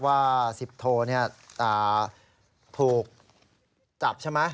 ว่าสิบโทพานุวัฒน์ถูกจับใช่ไหม